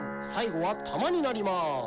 最後はたまになりまーす。